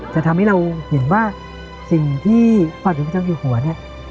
จะทำให้เราเห็นว่าสิ่งที่พระเด็จพระเจ้าอยู่หัวเนี่ย